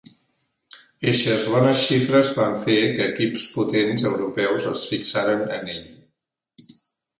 Eixes bones xifres van fer que equips potents europeus es fixaren en ell.